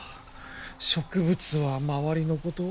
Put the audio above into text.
植物は周りのこと